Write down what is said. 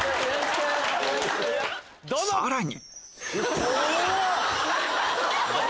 さらに！